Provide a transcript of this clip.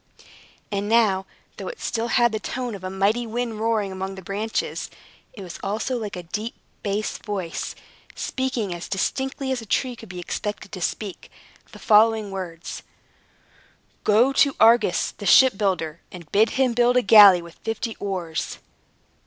And now, though it still had the tone of a mighty wind roaring among the branches, it was also like a deep bass voice, speaking as distinctly as a tree could be expected to speak, the following words: "Go to Argus, the shipbuilder, and bid him build a galley with fifty oars."